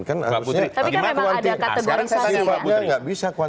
tapi kan memang ada kategori saja